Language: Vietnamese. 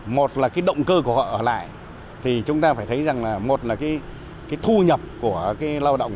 một là cái động cơ của họ ở lại thì chúng ta phải thấy rằng là một là cái thu nhập của cái lao động